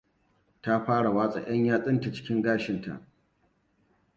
Ta fara watsa ƴan yatsunta cikin gashinta.